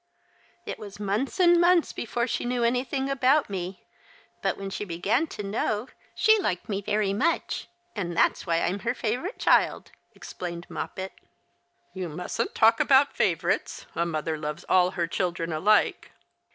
It was months and months before she knew anything about me ; but, when she began to know, she liked me very much, and that's why I'm her favourite child," explained Moppet. '•You mustn't talk about faA^ourites. A mother loves all her children alike."